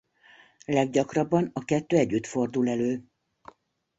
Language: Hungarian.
Leggyakrabban a kettő együtt fordul elő.